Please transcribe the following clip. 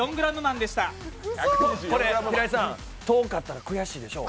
これ、遠かったら悔しいでしょう？